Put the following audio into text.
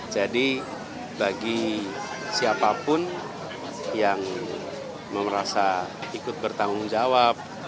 jadi bagi siapapun yang merasa ikut bertanggung jawab